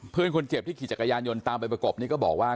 เพื่อนคนเจ็บที่ขี่จักรยานยนต์ตามไปประกบนี่ก็บอกว่า